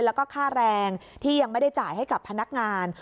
แล้วก็ค่าแรงที่ยังไม่ได้จ่ายให้กับพนักงาน